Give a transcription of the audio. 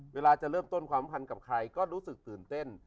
เวลาจะเริ่มต้นความพันธ์กับใครก็รู้สึกตื่นเต้น